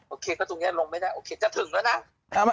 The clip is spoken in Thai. โอเคก็ตรงนี้ลงไม่ได้โอเคจะถึงแล้วนะ